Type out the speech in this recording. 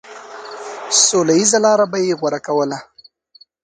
سوله ييزه لاره به يې غوره کوله.